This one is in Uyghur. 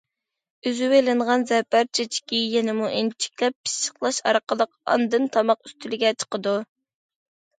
ئۈزۈۋېلىنغان زەپەر چېچىكى يەنىمۇ ئىنچىكىلەپ پىششىقلاش ئارقىلىق ئاندىن تاماق ئۈستىلىگە چىقىدۇ.